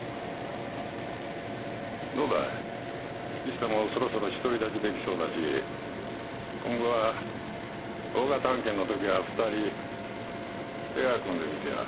月下もそろそろ独り立ちできそうだし今後は大型案件の時は二人ペア組んでみては。